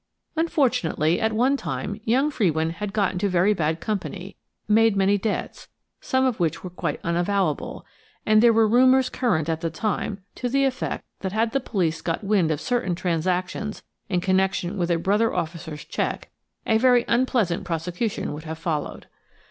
Unfortunately, at one time, young Frewin had got into very bad company, made many debts, some of which were quite unavowable, and there were rumours current at the time to the effect that had the police got wind of certain transactions in connection with a brother officer's cheque, a very unpleasant prosecution would have followed.